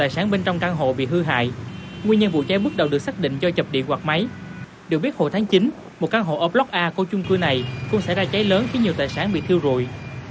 sẽ ra cháy lớn khi nhiều tài sản bị thiêu rụi